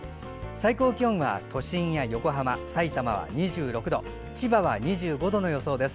最高気温は都心や横浜、さいたまは２６度千葉は２５度の予想です。